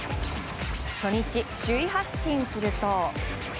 初日、首位発進すると。